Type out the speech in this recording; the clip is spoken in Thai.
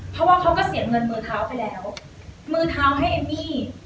เพราะว่าเขาก็เสียเงินมือเท้าไปแล้วมือเท้าให้เอมมี่